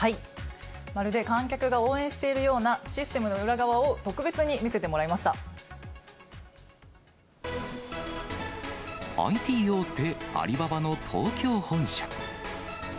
まるで観客が応援しているようなシステムの裏側を特別に見せＩＴ大手、アリババの東京本社。